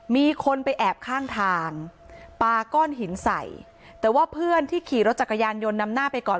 มีคนไปแอบข้างทางปาก้อนหินใส่แต่ว่าเพื่อนที่ขี่รถจักรยานยนต์นำหน้าไปก่อน